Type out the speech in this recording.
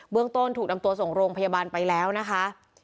ต้นถูกนำตัวส่งโรงพยาบาลไปแล้วนะคะ